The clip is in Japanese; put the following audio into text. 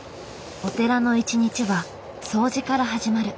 お寺の一日は掃除から始まる。